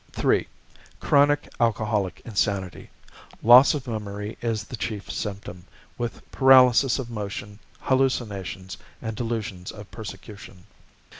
3. Chronic Alcoholic Insanity. Loss of memory is the chief symptom, with paralysis of motion, hallucinations and delusions of persecution.